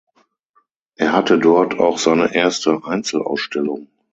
Er hatte dort auch seine erste Einzelausstellung.